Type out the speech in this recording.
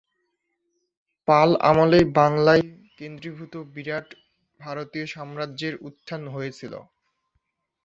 পাল আমলেই বাংলায় কেন্দ্রীভূত বিরাট ভারতীয় সাম্রাজ্যের উত্থান হয়েছিল।